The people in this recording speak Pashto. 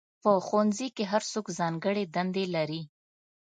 په ښوونځي کې هر څوک ځانګړې دندې لري.